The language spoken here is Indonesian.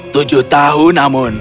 tujuh tahun namun